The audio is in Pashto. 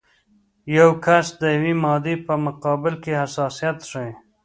یو کس د یوې مادې په مقابل کې حساسیت ښیي.